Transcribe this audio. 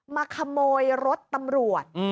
มาขโมยรถตำรวจ